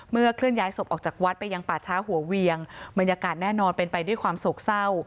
เคลื่อนย้ายศพออกจากวัดไปยังป่าช้าหัวเวียงบรรยากาศแน่นอนเป็นไปด้วยความโศกเศร้า